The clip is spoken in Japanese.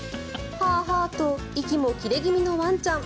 ハア、ハアと息も切れ気味のワンちゃん。